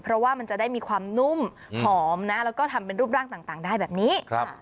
เพราะว่ามันจะได้มีความนุ่มหอมนะแล้วก็ทำเป็นรูปร่างต่างได้แบบนี้